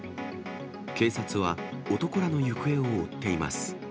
警察は男らの行方を追っています。